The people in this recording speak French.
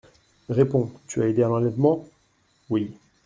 Réponds : tu as aidé à l'enlèvement ? Oui.